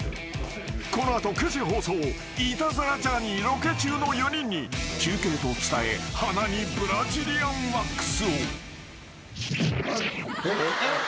［この後９時放送『イタズラ×ジャーニー』ロケ中の４人に休憩と伝え鼻にブラジリアンワックスを］えっ？